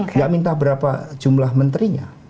tidak minta berapa jumlah menterinya